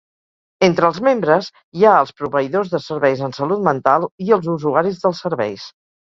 Entres els membres hi ha els proveïdors de serveis en Salut Mental i els usuaris dels serveis.